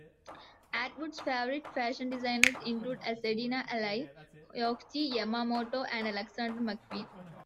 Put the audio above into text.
Atwood's favorite fashion designers include Azzedine Alaia., Yohji Yamamoto and Alexander McQueen.